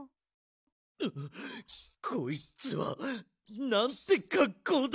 うっこいつはなんてかっこうだ！